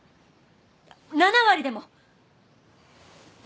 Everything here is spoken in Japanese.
７割でも。